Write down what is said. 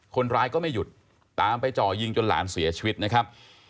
คนร้ายก็ไม่หยุดตามไปจ่อยิงจนหลานเสียชีวิตนะครับ